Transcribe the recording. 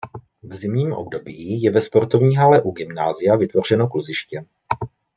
V zimním období je ve sportovní hale u gymnázia vytvořeno kluziště.